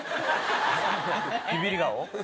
ビビリ顔？